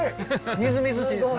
みずみずしいですね。